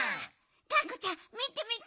がんこちゃんみてみて。